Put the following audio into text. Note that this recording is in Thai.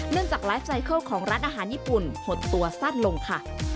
จากไลฟ์ไซเคิลของร้านอาหารญี่ปุ่นหดตัวสั้นลงค่ะ